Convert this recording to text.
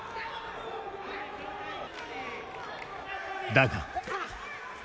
だが。